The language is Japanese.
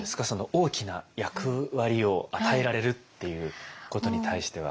大きな役割を与えられるっていうことに対しては。